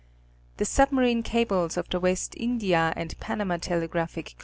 The sub marine cables of the West India and Panama Telegraph Co.